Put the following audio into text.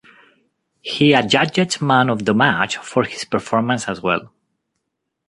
He adjudged man of the match for his performance as well.